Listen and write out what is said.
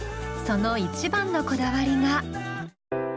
その一番のこだわりが。